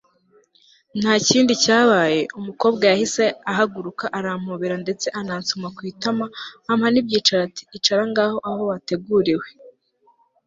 ntakindi cyabaye, umukobwa yahise ahaguruka arampobera ndetse anansoma kwitama ampa nibyicaro ati icara ngaho aho wateguriwe